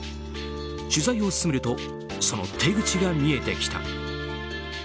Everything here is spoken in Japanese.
取材を進めるとその手口が見えてきた。